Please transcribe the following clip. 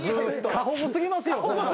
過保護過ぎますよ。